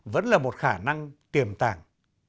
vẫn là một khả năng tiềm tàng